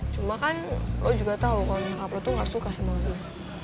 cuma kan lo juga tau kalau nyangka lo tuh gak suka sama gue